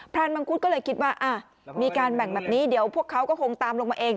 รานมังคุดก็เลยคิดว่ามีการแบ่งแบบนี้เดี๋ยวพวกเขาก็คงตามลงมาเอง